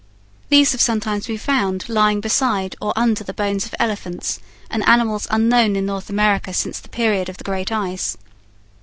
These have sometimes been found lying beside or under the bones of elephants and animals unknown in North America since the period of the Great Ice.